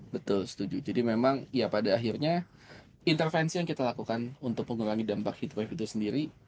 betul setuju jadi memang ya pada akhirnya intervensi yang kita lakukan untuk mengurangi dampak heat wave itu sendiri